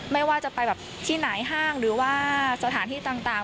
ไม่ว่าจะไปแบบที่ไหนห้างหรือว่าสถานที่ต่าง